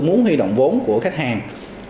muốn huy động vốn của khách hàng